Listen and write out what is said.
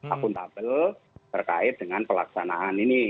akuntabel terkait dengan pelaksanaan ini